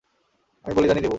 আমি বলিদানই দেব।